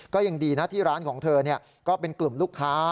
ก็ยังดีนะที่ร้านของเธอก็เป็นกลุ่มลูกค้า